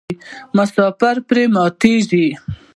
مسافر پرې ماتیږي.